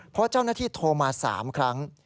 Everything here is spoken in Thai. เพราะเจ้าหน้าที่โทรมา๓ครั้ง